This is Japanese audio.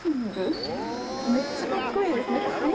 めっちゃカッコいいですね。